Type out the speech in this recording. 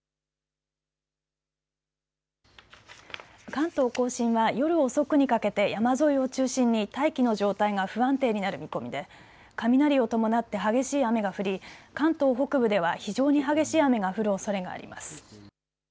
関東甲信は夜遅くにかけて山沿いを中心に大気の状態が不安定になる見込みで雷を伴って激しい雨が降り関東北部では非常に激しい雨が降るおそれがあります。